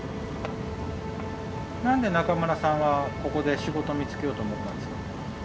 何で中村さんはここで仕事見つけようと思ったんですか？